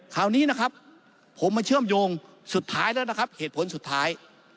คราวนี้นะครับผมมาเชื่อมโยงสุดท้ายแล้วนะครับเหตุผลสุดท้าย